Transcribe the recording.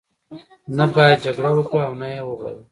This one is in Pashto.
نه باید جګړه وکړو او نه یې وغواړو.